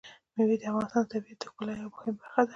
مېوې د افغانستان د طبیعت د ښکلا یوه مهمه برخه ده.